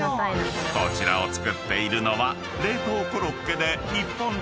［こちらを作っているのは］